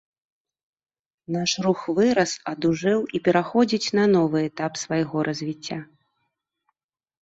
Наш рух вырас, адужэў і пераходзіць на новы этап свайго развіцця.